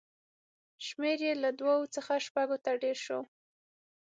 شمېر یې له دوو څخه شپږو ته ډېر شوی و.